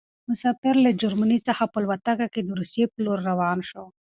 مسافر له جرمني څخه په الوتکه کې د روسيې په لور روان شو.